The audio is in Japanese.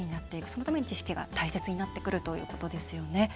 そのために知識が大切になってくるということですよね。